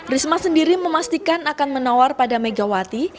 risma sendiri memastikan akan menawar pada megawati